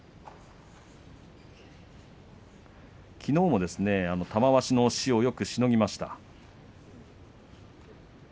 きのうも玉鷲の押しをよくしのぎました。